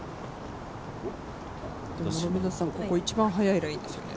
ここ一番速いラインですよね。